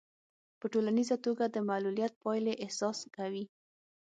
په ټولیزه توګه د معلوليت پايلې احساس کوي.